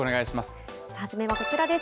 初めはこちらです。